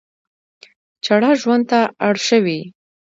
چړه ژوند ته اړ شوي.